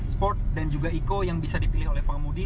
sport dan juga eco yang bisa dipilih oleh pengemudi